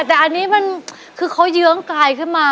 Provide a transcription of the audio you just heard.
แต่อันนี้มันคือเขาเยื้องกายขึ้นมา